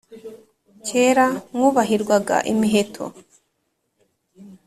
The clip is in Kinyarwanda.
kera mwubahirwaga imiheto.